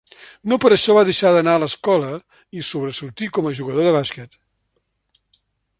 No per això va deixar d'anar a l'escola i sobresortir com a jugador de bàsquet.